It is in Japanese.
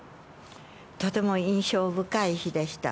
とても印象深い日でした。